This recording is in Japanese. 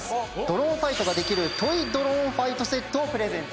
ドローンファイトができるトイドローンファイトセットをプレゼントします。